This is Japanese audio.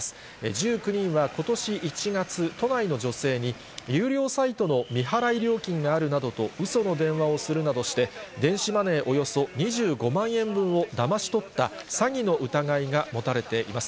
１９人はことし１月、都内の女性に、有料サイトの未払い料金があるなどとうその電話をするなどして、電子マネーおよそ２５万円分をだまし取った詐欺の疑いが持たれています。